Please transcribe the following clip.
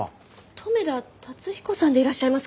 留田辰彦さんでいらっしゃいますか？